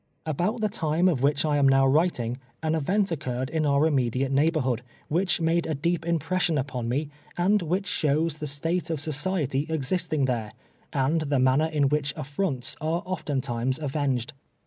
About the time of which I am now writing, an event occurred in our immediate neighborhood, which made a deep impression upon me, and which shows the state of society existing there, and the manner in which aflronts are oftentimes avenged.